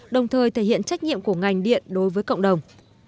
đồng thời thể hiện trách nhiệm của ngành điện đối với cộng đồng